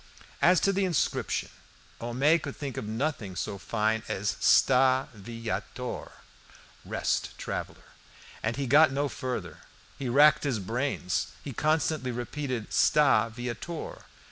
As to the inscription, Homais could think of nothing so fine as Sta viator, and he got no further; he racked his brain, he constantly repeated Sta viator.